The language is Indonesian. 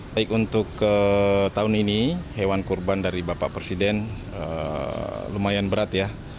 baik untuk tahun ini hewan kurban dari bapak presiden lumayan berat ya